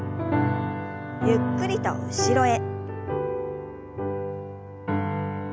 ゆっくりと後ろへ。